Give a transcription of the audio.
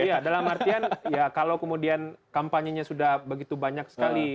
iya dalam artian ya kalau kemudian kampanyenya sudah begitu banyak sekali